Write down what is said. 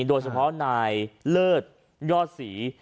โดยเฉพาะนายเลิศยอดศรี